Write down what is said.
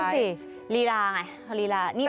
นั่นสิลีลาไงลีลา